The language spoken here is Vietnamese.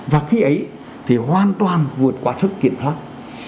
và khi ấy thì hoàn toàn vượt qua sức kiện thoát